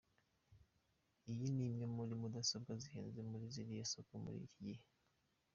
Iyi ni imwe muri mudasobwa zihenze mu ziri ku isoko muri iki gihe.